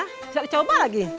jangan dicoba lagi